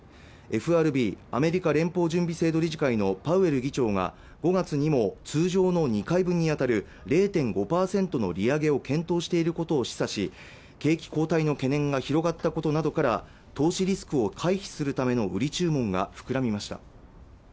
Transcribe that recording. ＦＲＢ＝アメリカ連邦準備制度理事会のパウエル議長が５月にも通常の２回分にあたる０．５％の利上げを検討していることを示唆し景気後退の懸念が広がったことなどから投資リスクを回避するための売り注文が膨らみました